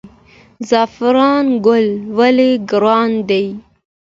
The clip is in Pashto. زعفران ګل ولې ګران دی؟